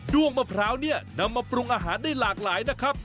้วงมะพร้าวเนี่ยนำมาปรุงอาหารได้หลากหลายนะครับ